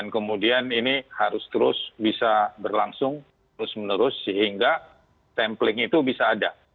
kemudian ini harus terus bisa berlangsung terus menerus sehingga sampling itu bisa ada